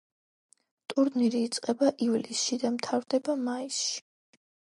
ტურნირი იწყება ივლისში და მთავრდება მაისში.